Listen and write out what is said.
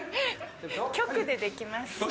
局でできます。